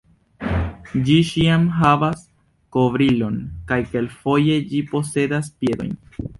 Ĝi ĉiam havas kovrilon kaj kelkfoje ĝi posedas piedojn.